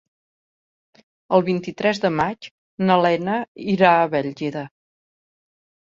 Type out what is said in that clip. El vint-i-tres de maig na Lena irà a Bèlgida.